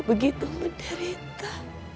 kamu begitu menderita